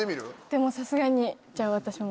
でもさすがにじゃ私も。